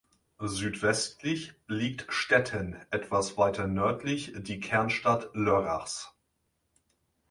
Südwestlich liegt Stetten, etwas weiter nördlich die Kernstadt Lörrachs.